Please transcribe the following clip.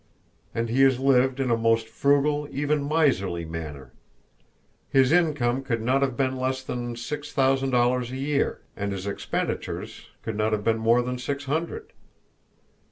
And he has lived in a most frugal, even miserly, manner. His income could not have been less than six thousand dollars a year, and his expenditures could not have been more than six hundred.